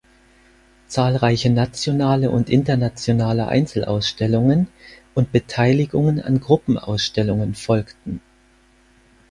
Zahlreiche nationale und internationale Einzelausstellungen und Beteiligungen an Gruppenausstellungen folgten.